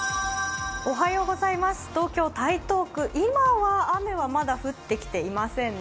東京・台東区、今は雨は降ってきていませんね。